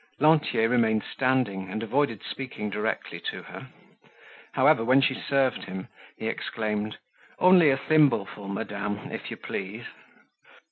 Lantier remained standing and avoided speaking directly to her. However, when she served him, he exclaimed: "Only a thimbleful, madame, if you please."